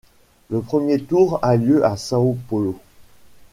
Le premier tour a lieu à São Paulo.